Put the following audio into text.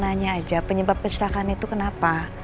nanya aja penyebab kecelakaan itu kenapa